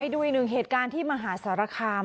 ดูอีกหนึ่งเหตุการณ์ที่มหาสารคาม